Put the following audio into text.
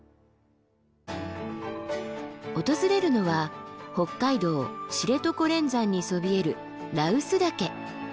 訪れるのは北海道知床連山にそびえる羅臼岳。